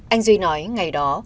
anh duy nói ngày đó